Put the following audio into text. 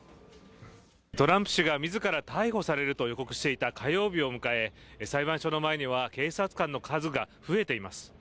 トランプ氏が自ら逮捕されると予告していた火曜日を迎え裁判所の前には警察官の数が増えています。